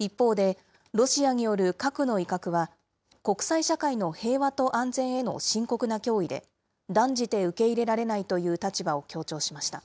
一方で、ロシアによる核の威嚇は、国際社会の平和と安全への深刻な脅威で、断じて受け入れられないという立場を強調しました。